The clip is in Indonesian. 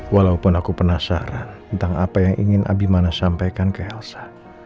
walaupun aku penasaran tentang apa yang ingin abimana sampaikan ke elsa